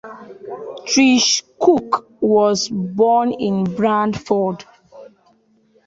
Trish Cooke was born in Bradford.